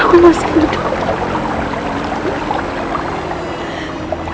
aku masih hidup